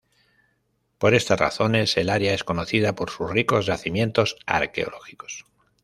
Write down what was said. Por esas razones, el área es conocida por sus ricos yacimientos arqueológicos.